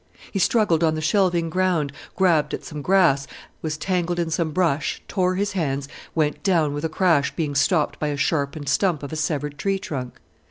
He struggled on the shelving ground, grabbed at some grass, was tangled in some brush, tore his hands, went down with a crash, being stopped by a sharpened stump of a severed tree trunk.